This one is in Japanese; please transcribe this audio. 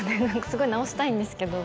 すごい直したいんですけど